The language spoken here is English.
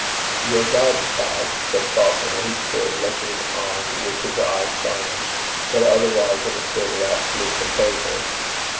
'You are God's child,' said Falconer, who stood looking on with his eyes shining, but otherwise in a state of absolute composure.